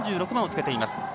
３６番をつけています。